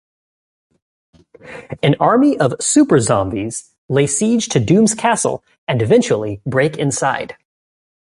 An army of super-zombies lay siege to Doom's castle and eventually break inside.